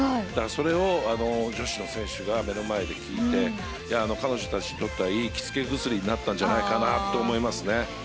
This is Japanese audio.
それを女子の選手が目の前で聴いて彼女たちにとったらいい気付け薬になったと思います。